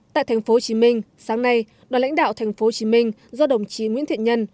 tại tp hcm sáng nay đoàn lãnh đạo tp hcm do đồng chí nguyễn thiện nhân